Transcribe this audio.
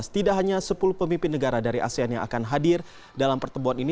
tidak hanya sepuluh pemimpin negara dari asean yang akan hadir dalam pertemuan ini